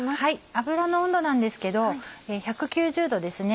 油の温度なんですけど１９０℃ですね。